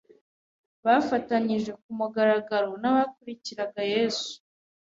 bafatanije ku mugaragaro n'abakurikiraga Yesu'